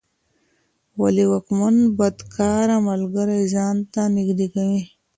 ولي واکمن بدکاره ملګري ځان ته نږدې کوي؟